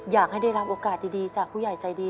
อยากให้ได้รับโอกาสดีจากผู้ใหญ่ใจดี